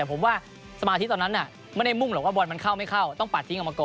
แต่ผมว่าสมาธิตอนนั้นไม่ได้มุ่งหรอกว่าบอลมันเข้าไม่เข้าต้องปัดทิ้งออกมาก่อน